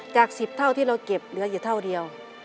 จาก๑๐เท่าที่เราเก็บเหลืออยู่เท่าเดียว